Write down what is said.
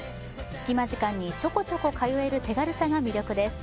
すきま時間にちょこちょこ通える手軽さが魅力です